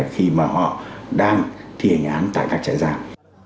khi mà họ đang thi hình án tại các chạy giam